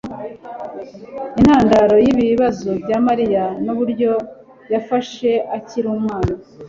Intandaro yibibazo bya Mariya nuburyo yafashwe akiri umwana